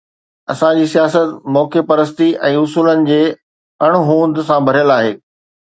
اسان جي سياست موقعي پرستي ۽ اصولن جي اڻهوند سان ڀريل آهي.